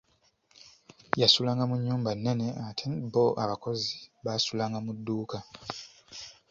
Yasulanga mu nnyumba nnene ate bo abakozi baasulanga mu dduuka.